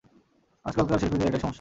আজকালকার শিল্পীদের এটাই সমস্যা।